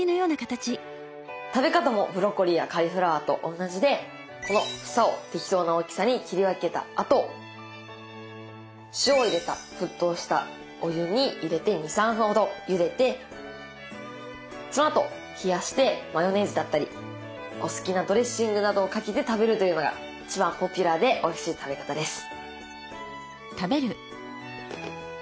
食べ方もブロッコリーやカリフラワーと同じでこの房を適当な大きさに切り分けたあと塩を入れた沸騰したお湯に入れて２３分ほどゆでてそのあと冷やしてマヨネーズだったりお好きなドレッシングなどをかけて食べるというのが一番ポピュラーでおいしい食べ方です。